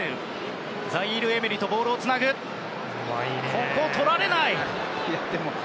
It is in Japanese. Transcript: ここでとられない。